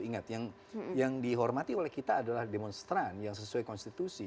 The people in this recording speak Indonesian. ingat yang dihormati oleh kita adalah demonstran yang sesuai konstitusi